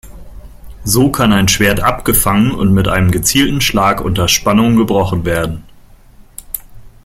So kann ein Schwert abgefangen und mit einem gezielten Schlag unter Spannung gebrochen werden.